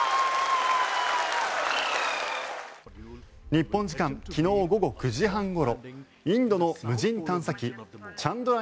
日本時間昨日午後９時半ごろインドの無人探査機チャンドラ